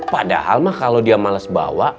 padahal kalau dia malas bawa